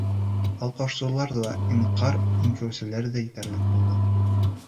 Алҡышлаусылар ҙа, инҡар итеүселәр ҙә етерлек булды.